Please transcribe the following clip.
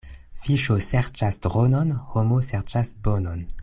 Fiŝo serĉas dronon, homo serĉas bonon.